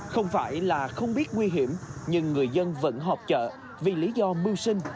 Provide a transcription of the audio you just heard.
không phải là không biết nguy hiểm nhưng người dân vẫn họp chợ vì lý do mưu sinh